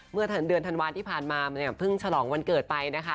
เมื่อเดือนธันวาที่ผ่านมาเนี่ยเพิ่งฉลองวันเกิดไปนะคะ